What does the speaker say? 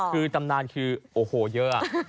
คือตำนานคือโอ้โหเยอะ